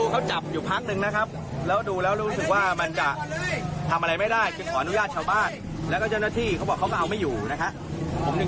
ก็มีคำถามตามมาแน่นอนว่าอ้าวแล้วมันหลุดมาจากไหนยังไง